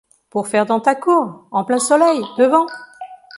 Pour faire dans ta cour, en plein soleil, devant